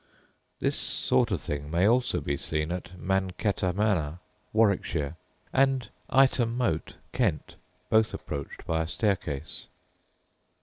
This sort of thing may also be seen at Mancetter Manor, Warwickshire, and Ightham Moat, Kent, both approached by a staircase.